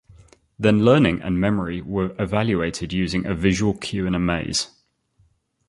Then learning and memory were evaluated using a visual cue in a maze.